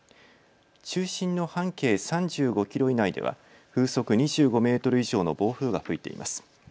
中心の半径３５キロ以内では風速２５メートル以上の暴風が吹いています。